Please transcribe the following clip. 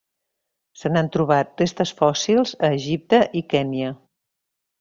Se n'han trobat restes fòssils a Egipte i Kenya.